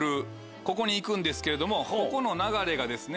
ここに行くんですけれどもここの流れがですね。